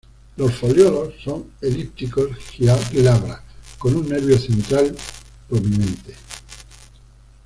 Los foliolos son elípticos, glabras, con un nervio central prominente.